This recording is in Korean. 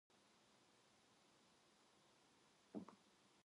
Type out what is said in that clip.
언 땅에 비가 내려 미끄럽기도 하였지만.